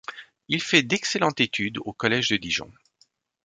Il fait d'excellentes études au collège de Dijon.